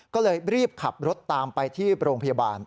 ก็เลยรีบขับรถตามไปที่โรงพยาบาล